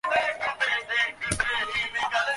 গাজি কে তুই ইতুকে জিগা।